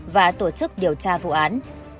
và tổ chức điều tra vụ án